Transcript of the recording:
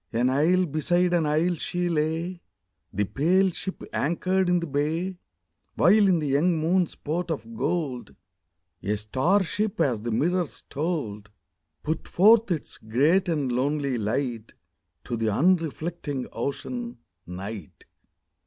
r An isle beside an isle she lay, The pale ship anchored in the bay, While in the young moon's port of gold A star ship as the mirrors told Put forth its great and lonely light To the unreflecting Ocean, Night.